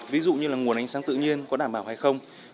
ví dụ như là nguồn ánh sáng tự nhiên có đảm bảo hay không